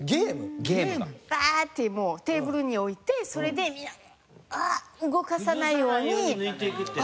バーッてもうテーブルに置いてそれでみんなああ動かさないように取る。